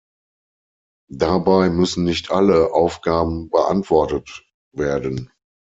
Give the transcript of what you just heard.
Dabei müssen nicht alle Aufgaben beantwortet werden.